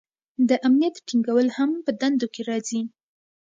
د امنیت ټینګول هم په دندو کې راځي.